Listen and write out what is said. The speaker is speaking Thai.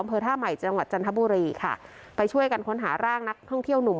อำเภอท่าใหม่จังหวัดจันทบุรีค่ะไปช่วยกันค้นหาร่างนักท่องเที่ยวหนุ่ม